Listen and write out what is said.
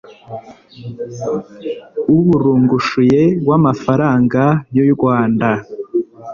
uburungushuye w amafaranga y u Rwanda